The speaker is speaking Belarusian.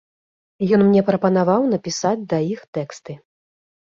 Ён мне прапанаваў напісаць да іх тэксты.